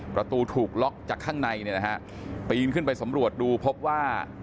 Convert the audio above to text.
ประตูถูกล็อกจากข้างในเนี่ยนะฮะปีนขึ้นไปสำรวจดูพบว่า